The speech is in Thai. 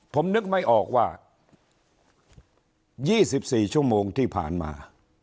ผมนึกไม่ออกว่า๒๔ชั่วโมงที่ผ่านมา